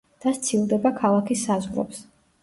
და სცილდება ქალაქის საზღვრებს.